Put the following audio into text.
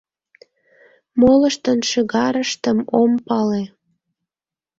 Молыштын шӱгарыштым ом пале.